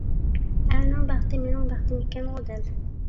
ئەلنىڭ بەختى مېنىڭ بەختىم ئىكەنغۇ دەل.